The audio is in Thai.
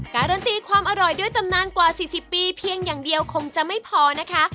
การันตีความอร่อยด้วยตำนานกว่า๔๐ปีเพียงอย่างเดียวคงจะไม่พอนะคะ